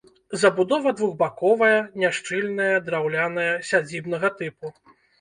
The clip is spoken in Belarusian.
Забудова двухбаковая, няшчыльная, драўляная, сядзібнага тыпу.